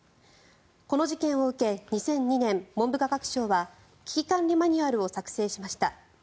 この事件を受け、２００２年文部科学省は危機管理マニュアルを作成しました。